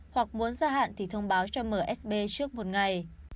hoặc muốn gia hạn thì thông báo cho msb trước một ngày